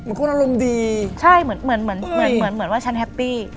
คนอารมณ์ดีใช่เหมือนเหมือนเหมือนเหมือนว่าฉันแฮปปี้